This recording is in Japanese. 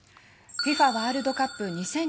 ＦＩＦＡワールドカップ２０２２